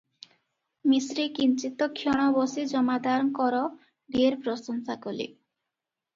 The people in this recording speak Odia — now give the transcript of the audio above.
ମିଶ୍ରେ କିଞ୍ଚିତକ୍ଷଣ ବସି ଜମାଦାରଙ୍କର ଢେର ପ୍ରଶଂସା କଲେ ।